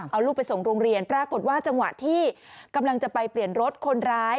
เอาลูกไปส่งโรงเรียนปรากฏว่าจังหวะที่กำลังจะไปเปลี่ยนรถคนร้าย